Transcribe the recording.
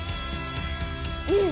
うん！